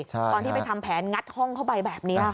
ตอนที่ไปทำแผนงัดห้องเข้าไปแบบนี้ค่ะ